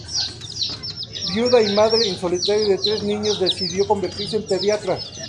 Viuda y madre en solitario de tres niños, decidió convertirse en pediatra.